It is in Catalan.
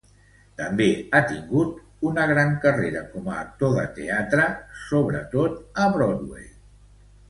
També ha tingut una gran carrera com a actor de teatre, sobretot a Broadway.